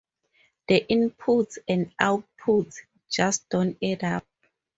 The inputs and outputs just don't add up.